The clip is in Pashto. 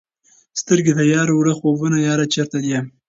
سترګي د یار وړه خوبونه یاره چیرته یې؟